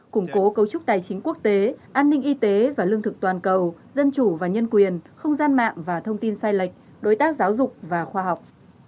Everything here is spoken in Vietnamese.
củng cố cấu trúc tài chính quốc tế an ninh y tế và lương thực toàn cầu dân chủ và nhân quyền không gian mạng và thông tin sai lệch đối tác giáo dục và khoa học